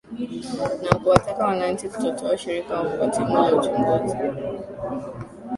na kuwataka wananchi kutotoa ushirikiano kwa timu ya uchunguzi